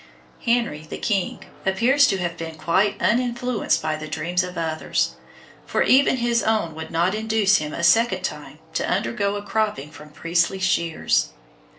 Henry, the king, appears to have been quite uninfluenced by the dreams of others, for even his own would not induce him a second time to undergo a cropping from priestly shears.